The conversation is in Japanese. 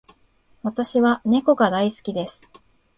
私は猫が大好きです。